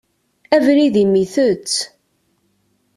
Abrid-im itett.